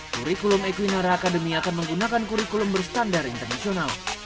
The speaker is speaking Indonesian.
kurikulum equineer academy akan menggunakan kurikulum berstandar internasional